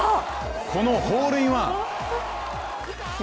このホールインワン。